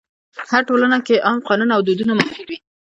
هره ټولنه کې عام قانون او دودونه موجود وي.